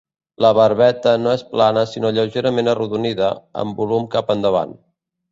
La barbeta no és plana sinó lleugerament arrodonida, amb volum cap endavant.